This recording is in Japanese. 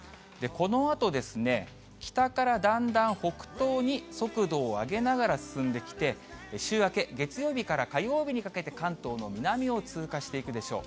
このあと、北からだんだん北東に速度を上げながら進んできて、週明け月曜日から火曜日にかけて関東の南を通過していくでしょう。